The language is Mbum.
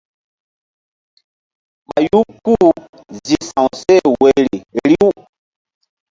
Ɓayu ku-u zi sa̧w seh woyri riw.